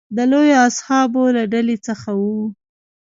د لویو اصحابو له ډلې څخه و.